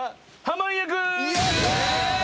やったー！